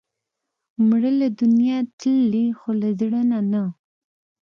مړه له دنیا تللې، خو له زړه نه نه